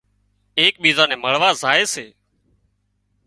ايڪ ٻيزان نين مۯوا زائي سي